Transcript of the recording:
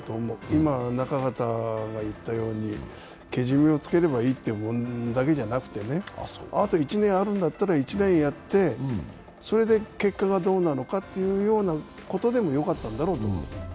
今、中畑が言ったようにけじめをつければいいという問題だけじゃなくてね、あと１年あるんだったら１年やってそれで結果がどうなのかということでもよかったんだろうと思う。